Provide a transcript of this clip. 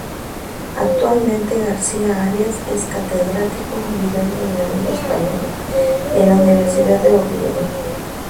Actualmente, García Arias es Catedrático jubilado de Lengua Española en la Universidad de Oviedo.